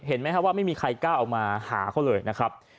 เห็นไหมครับว่าไม่มีใครกล้าเอามาหาเขาเลยนะครับ